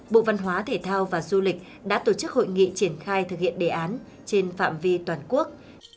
bộ văn hóa thể thao và du lịch đã tổ chức hội nghị triển khai thực hiện đề án trên phạm vi toàn quốc